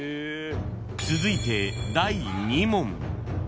［続いて第２問］